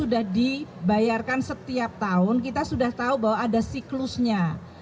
sudah dibayarkan setiap tahun kita sudah tahu bahwa ada siklusnya